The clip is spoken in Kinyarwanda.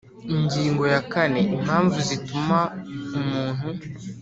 Ingingo ya kane Impamvu zituma umuntu